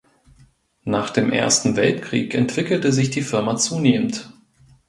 Nach dem Ersten Weltkrieg entwickelte sich die Firma zunehmend.